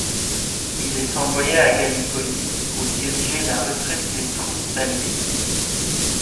Il est envoyé à Gallipoli pour diriger la retraite des troupes alliées.